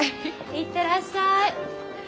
行ってらっしゃい。